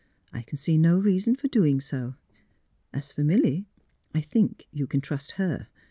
I can see no reason for doing so. As for Milly, I think you can trust her.